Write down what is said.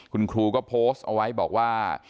คุณครูก็โพสต์เอาไว้บอกว่า